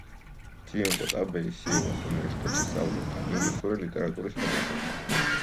ძიუნკო ტაბეი სიოვას უნივერსიტეტში სწავლობდა, ინგლისური ლიტერატურის ფაკულტეტზე.